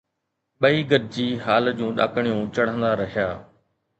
ٻئي گڏجي هال جون ڏاڪڻيون چڙهندا رهيا